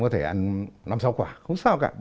có thể ăn năm sáu quả không sao cả